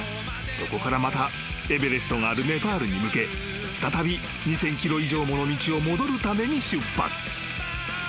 そこからまたエベレストがあるネパールに向け再び２，０００ｋｍ以上もの道を戻るために出発］